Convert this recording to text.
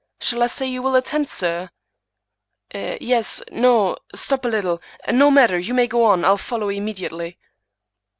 Shall I say you will attend, sir ?"" Yes — ^no — stop a little. No matter, you may go on ; I'll follow immediately."